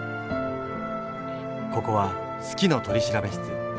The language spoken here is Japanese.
ここは「好きの取調室」。